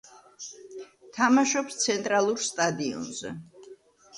თამაშობს „ცენტრალურ“ სტადიონზე.